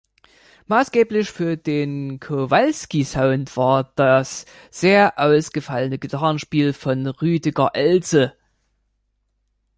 Maßgeblich für den Kowalski-Sound war das sehr ausgefallene Gitarrenspiel von Rüdiger Elze.